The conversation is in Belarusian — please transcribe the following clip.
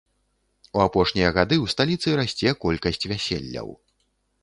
У апошнія гады ў сталіцы расце колькасць вяселляў.